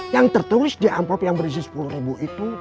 yang tertulis di amplop yang berisi sepuluh ribu itu